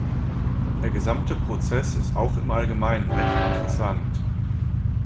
Der gesamte Prozess ist auch im allgemeinen recht interessant.